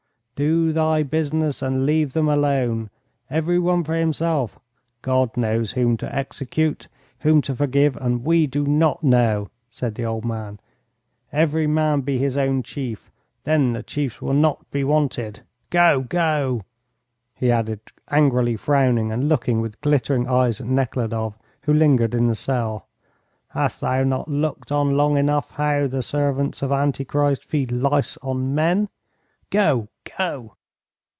"Do thy business and leave them alone. Every one for himself. God knows whom to execute, whom to forgive, and we do not know," said the old man. "Every man be his own chief, then the chiefs will not be wanted. Go, go!" he added, angrily frowning and looking with glittering eyes at Nekhludoff, who lingered in the cell. "Hast thou not looked on long enough how the servants of Antichrist feed lice on men? Go, go!"